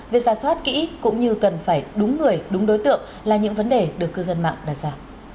việc ra soát kỹ cũng như cần phải đúng người đúng đối tượng là những vấn đề được cư dân mạng đặt ra